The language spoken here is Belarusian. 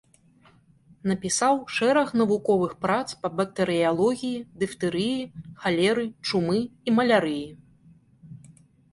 Напісаў шэраг навуковых прац па бактэрыялогіі, дыфтэрыі, халеры, чумы і малярыі.